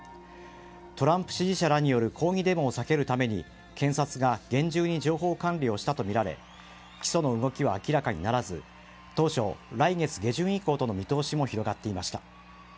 トランプ支持者らによる抗議デモを避けるために検察が厳重に情報管理をしたとみられ起訴の動きは明らかにならず当初、来月下旬以降との見通しも広がっていました。